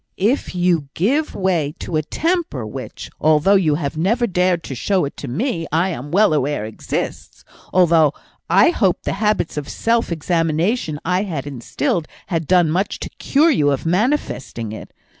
"if you give way to a temper which, although you have never dared to show it to me, I am well aware exists, although I hoped the habits of self examination I had instilled had done much to cure you of manifesting it.